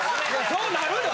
そうなるよ。